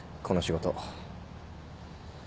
この仕事。